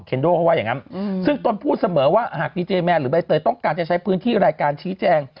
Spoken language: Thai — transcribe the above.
โดเขาว่าอย่างนั้นซึ่งตนพูดเสมอว่าหากดีเจแมนหรือใบเตยต้องการจะใช้พื้นที่รายการชี้แจง